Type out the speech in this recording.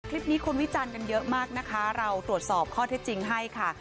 คลิปนี้คนวิจารณ์กันเยอะมากนะคะเราตรวจสอบข้อเท็จจริงให้ค่ะ